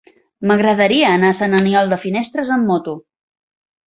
M'agradaria anar a Sant Aniol de Finestres amb moto.